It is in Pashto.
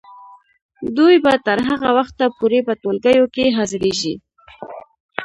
دوی به تر هغه وخته پورې په ټولګیو کې حاضریږي.